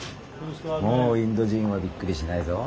「もうインド人はびっくりしないぞ。